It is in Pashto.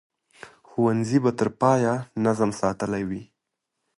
ښوونځي به تر پایه نظم ساتلی وي.